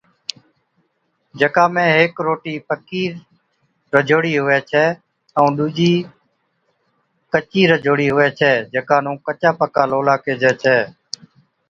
جڪا ۾ ھيڪ روٽِي پڪِي رجھوڙِي هُوَي ڇَي ائُون ڏُوجِي ڪچِي رجھوڙِي ھُوَي ڇَي جڪا نُون ڪچا پڪا لولا ڪيهجَي ڇَي